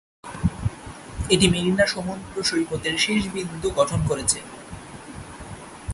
এটি মেরিনা সমুদ্র সৈকতের শেষ বিন্দু গঠন করেছে।